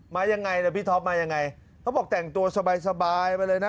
มายังไงล่ะพี่ท็อปมายังไงเขาบอกแต่งตัวสบายสบายไปเลยนะ